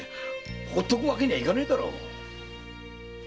ほっとくわけにはいかねえだろう！